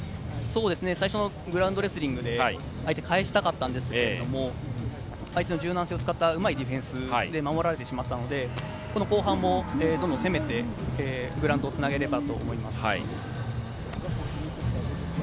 最初のグラウンドレスリングで相手かえしたかったんですけれども、相手の柔軟性を使ったうまいディフェンスで守られてしまったので、後半もどんどん攻めてグラウンドをつなげればと思います。